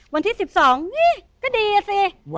วันที่๑๒นี่ก็ดีอ่ะสิ